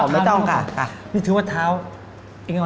ไม่ต้องค่ะ